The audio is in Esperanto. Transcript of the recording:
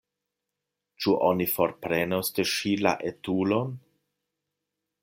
Ĉu oni forprenos de ŝi la etulon?